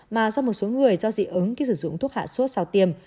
mà do một số người do dị ứng khi sử dụng thuốc hạ sốt sau tiêm